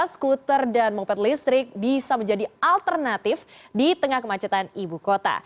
skuter dan moped listrik bisa menjadi alternatif di tengah kemacetan ibu kota